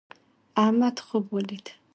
احمد خوب ولید